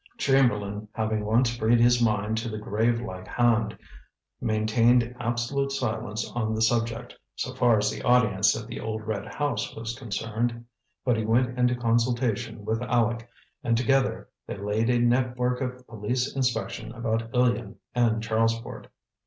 Chamberlain, having once freed his mind to the grave like Hand, maintained absolute silence on the subject, so far as the audience at the old red house was concerned. But he went into consultation with Aleck, and together they laid a network of police inspection about Ilion and Charlesport.